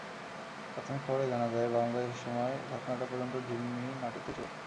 প্রাথমিক খবরে জানা যায়, বাংলাদেশ সময় রাত নয়টা পর্যন্ত জিম্মি নাটক চলছিল।